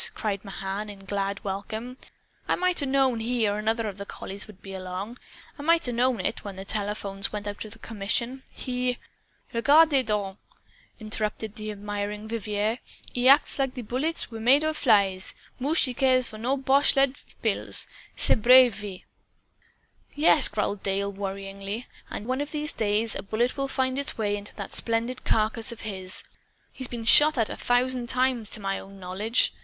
cried Mahan in glad welcome. "I might 'a' known he or another of the collies would be along. I might 'a' known it, when the telephones went out of commission. He " "Regardez donc!" interrupted the admiring Vivier. "He acts like bullets was made of flies! Mooch he care for boche lead pills, ce brave vieux!" "Yes," growled Dale worriedly; "and one of these days a bullet will find its way into that splendid carcass of his. He's been shot at, a thousand times, to my own knowledge.